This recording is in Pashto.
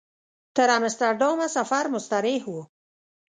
تر امسټرډامه سفر مستریح و.